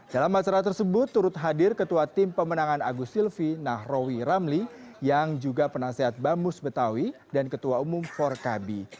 dalam acara tersebut turut hadir ketua tim pemenangan agus silvi nahrawi ramli yang juga penasehat bamus betawi dan ketua umum forkabi